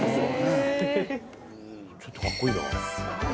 ちょっとかっこいいな。